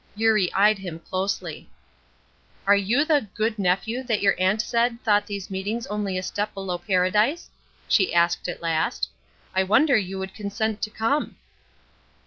Eurie eyed him closely. "Are you the 'good nephew' that your aunt said thought these meetings only a step below paradise?" she asked, at last. "I wonder you would consent to come."